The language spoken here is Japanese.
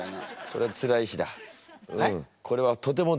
これはつらい詩？